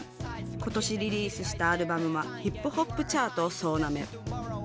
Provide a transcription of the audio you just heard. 今年リリースしたアルバムはヒップホップチャートを総なめ。